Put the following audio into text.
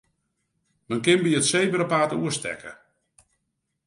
Men kin by it sebrapaad oerstekke.